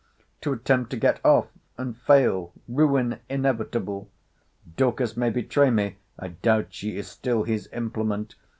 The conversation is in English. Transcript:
—To attempt to get off, and fail, ruin inevitable!—Dorcas may betray me!—I doubt she is still his implement!